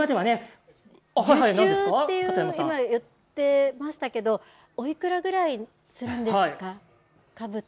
瀬田さん受注って言ってましたけどおいくらぐらいするんですか。